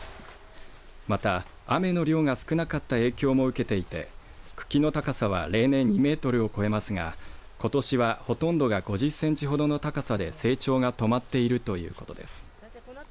また、雨の量が少なかった影響も受けていて茎の高さは例年２メートルを超えますがことしは、ほとんどが５０センチほどの高さで成長が止まっているということです。